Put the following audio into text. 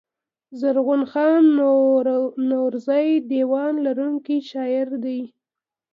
زرغون خان نورزى دېوان لرونکی شاعر دﺉ.